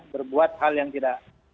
berbuat hal yang tidak